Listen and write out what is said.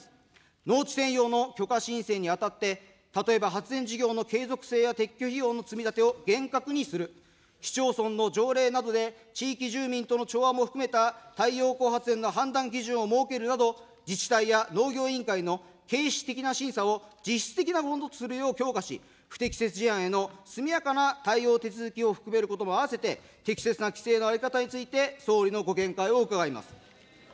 農地転用の許可申請にあたって、例えば、発電事業の継続性や撤去費用の積み立てを厳格にする、市町村の条例などで、地域住民との調和も含めた太陽光発電の判断基準を設けるなど、自治体や農業委員会の形式的な審査を実質的なものとするよう強化し、不適切事案への速やかな対応手続きを含めることも合わせて、適切な規制の在り方について、総理のご見解を伺います。